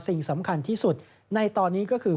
สิ่งสำคัญที่สุดในตอนนี้ก็คือ